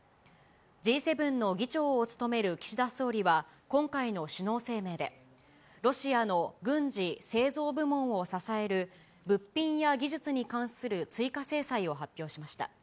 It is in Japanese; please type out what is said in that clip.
Ｇ７の議長を務める岸田総理は今回の首脳声明で、ロシアの軍事・製造部門を支える物品や技術に関する追加制裁を発表しました。